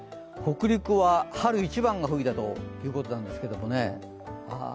北陸は春一番が吹いたということなんですけどね。